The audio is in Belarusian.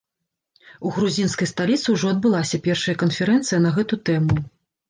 У грузінскай сталіцы ўжо адбылася першая канферэнцыя на гэту тэму.